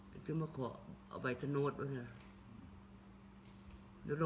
ก็ถึงมาขอเอาใบถนูดมานี่